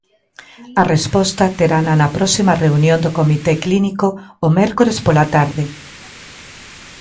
A resposta terana na próxima reunión do comité clínico, o mércores pola tarde.